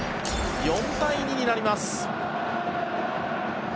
４対２になります。